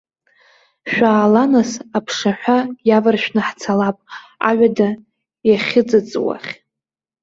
Шәаала нас, аԥшаҳәа иаваршәны ҳцалап, аҩада иахьыҵыҵуахь!